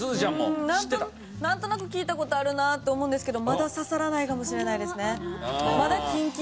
なんとなく聴いた事あるなって思うんですけどまだ刺さらないかもしれないですね。